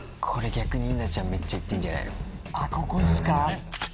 逆に稲ちゃんめっちゃ行ってんじゃないの。